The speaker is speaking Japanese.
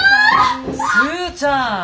スーちゃん！